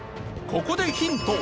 ここでヒント。